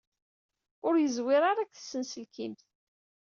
Ur yeẓwir ara deg tsenselkimt.